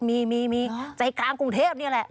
มีมีใจกลางกรุงเทพนี่แหละ